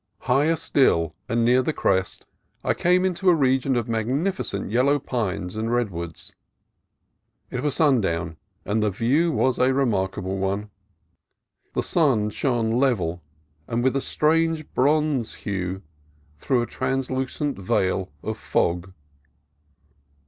Higher still, and near the crest, I came into a re gion of magnificent yellow pines and redwoods. It was sundown, and the view was a remarkable one. The sun shone level, and with a strange bronze hue, through a translucent veil of fog.